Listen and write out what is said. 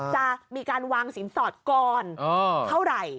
จะมีการวางสินสอดก่อนเท่าไหร่